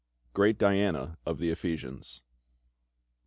"GREAT DIANA OF THE EPHESIANS